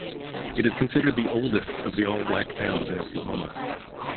It is considered the oldest of the all-Black towns in Oklahoma.